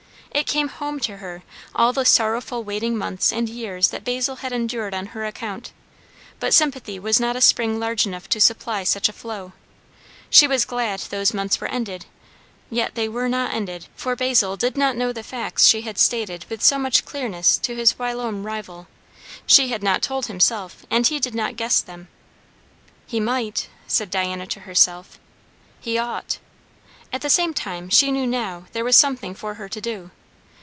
It came home to her, all the sorrowful waiting months and years that Basil had endured on her account; but sympathy was not a spring large enough to supply such a flow. She was glad those months were ended; yet they were not ended, for Basil did not know the facts she had stated with so much clearness to his whilome rival; she had not told himself, and he did not guess them. "He might," said Diana to herself, "he ought," at the same time she knew now there was something for her to do.